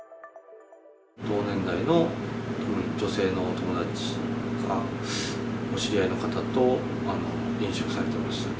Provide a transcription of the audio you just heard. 同年代の女性のお友達、お知り合いの方と、飲食されておりました。